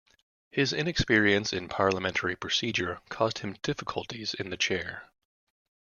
His inexperience in parliamentary procedure caused him difficulties in the Chair.